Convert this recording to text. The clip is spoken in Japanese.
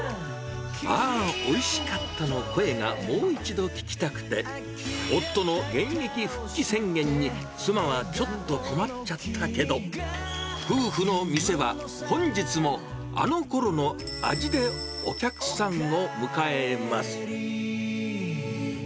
ああおいしかったの声がもう一度聞きたくて、夫の現役復帰宣言に妻はちょっと困っちゃったけど、夫婦の店は本日もあのころの味でお客さんを迎えます。